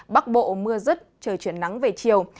bắc bộ mưa rứt trời chuyển nắng về chiều